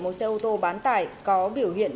một xe ô tô bán tải có biểu hiện